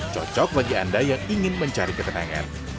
cocok bagi anda yang ingin mencari ketenangan